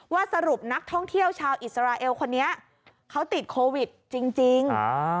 สรุปนักท่องเที่ยวชาวอิสราเอลคนนี้เขาติดโควิดจริง